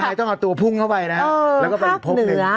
ต้องต้องเอาตัวพุงเข้าไปนะเหลือแล้วก็พบนึง